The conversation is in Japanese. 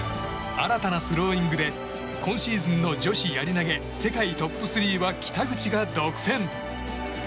新たなスローイングで今シーズンの女子やり投げ世界トップ３は北口が独占。